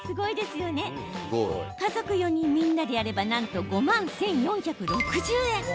家族４人みんなでやればなんと５万１４６０円。